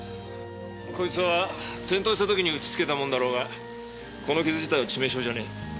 こいつは転倒した時に打ちつけたもんだろうがこの傷自体は致命傷じゃねえ。